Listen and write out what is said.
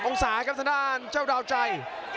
๓๖๐องศาครับสถานเจ้าดาวใจ